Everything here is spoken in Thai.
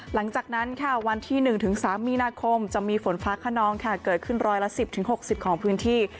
หลังจากนั้นค่ะวันที่๑๓มีนาคมจะมีฝนฟ้าขนองค่ะเกิดขึ้นร้อยละ๑๐๖๐ของพื้นที่